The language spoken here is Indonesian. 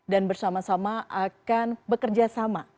dan bersama sama akan bekerja sama